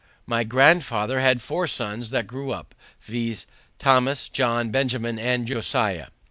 My grandfather had four sons that grew up, viz.: Thomas, John, Benjamin and Josiah.